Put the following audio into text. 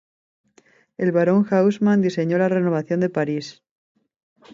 El Barón Haussmann diseñó la renovación de París.